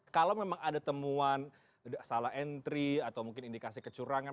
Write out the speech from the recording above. kalau memang ada temuan salah entry atau mungkin indikasi kecurangan